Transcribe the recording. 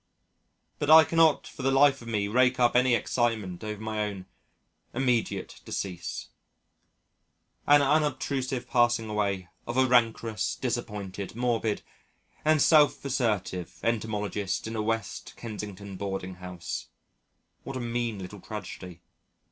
But I cannot for the life of me rake up any excitement over my own immediate decease an unobtrusive passing away of a rancorous, disappointed, morbid, and self assertive entomologist in a West Kensington Boarding House what a mean little tragedy!